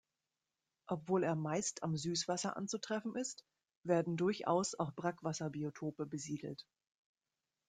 Obwohl er meist am Süßwasser anzutreffen ist, werden durchaus auch Brackwasser-Biotope besiedelt.